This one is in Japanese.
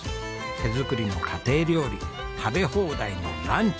手作りの家庭料理食べ放題のランチ。